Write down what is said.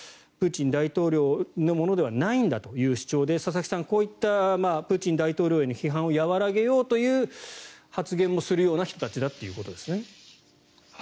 プーチン大統領のものではないんだという主張で佐々木さん、こういったプーチン大統領への批判を和らげようとする発言もする人たちだということです。